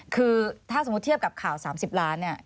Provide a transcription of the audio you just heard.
คือถ้าสมมุติเทียบกับข่าว๓๐ล้านเนี่ย